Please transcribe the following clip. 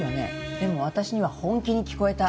でも私には本気に聞こえた。